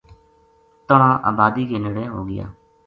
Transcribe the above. تنہاں آبادی کے نیڑے ہو گیا